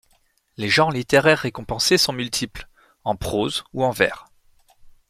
Les genres littéraires récompensés sont multiples, en prose ou en vers.